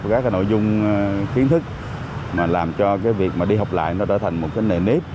các nội dung kiến thức mà làm cho việc đi học lại nó trở thành một nền nếp